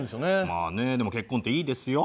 まあねでも結婚っていいですよ。